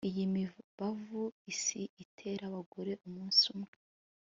iyi mibavu isi itera abagore umunsi umwe